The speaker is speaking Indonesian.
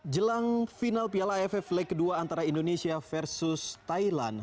jelang final piala aff leagu kedua antara indonesia versus thailand